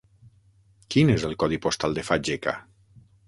Quin és el codi postal de Fageca?